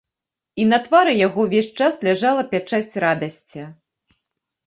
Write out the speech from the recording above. І на твары яго ўвесь час ляжала пячаць радасці.